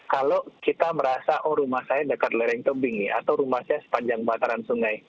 kalau kita merasa oh rumah saya dekat lereng tebing nih atau rumah saya sepanjang bataran sungai